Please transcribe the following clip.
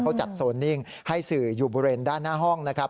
เขาจัดโซนนิ่งให้สื่ออยู่บริเวณด้านหน้าห้องนะครับ